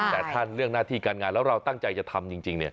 แต่ถ้าเรื่องหน้าที่การงานแล้วเราตั้งใจจะทำจริง